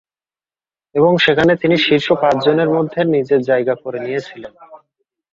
এবং সেখানে তিনি শীর্ষ পাঁচ জনের মধ্যে নিজের জায়গা করে নিয়েছিলেন।